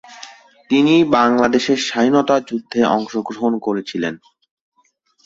তিনি বাংলাদেশের স্বাধীনতা যুদ্ধে অংশগ্রহণ করেছিলেন।